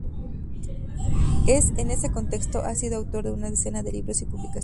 Es en ese contexto, ha sido autor de una decena de libros y publicaciones.